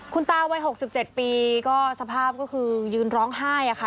คุณตาวัย๖๗ปีก็สภาพก็คือยืนร้องไห้ค่ะ